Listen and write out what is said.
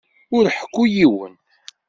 Ur ḥekku i yiwen.